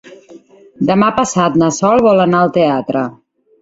Demà passat na Sol vol anar al teatre.